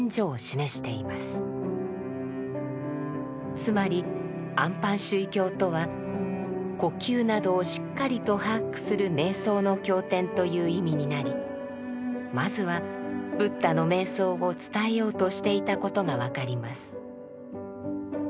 つまり「安般守意経」とは呼吸などをしっかりと把握する瞑想の経典という意味になりまずはブッダの瞑想を伝えようとしていたことが分かります。